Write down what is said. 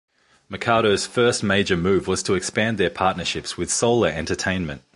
Mercado's first major move was to expand their partnerships with Solar Entertainment.